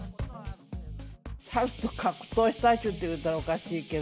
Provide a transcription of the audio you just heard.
猿と格闘したっちゅうたらおかしいけど。